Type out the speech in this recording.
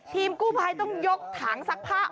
ทีมกู้ภัยต้องยกถังซักผ้า